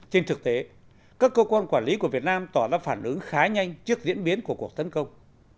trên thực tế các cơ quan quản lý của việt nam tỏ ra phản ứng khá nhanh trước diễn biến của cuộc tấn công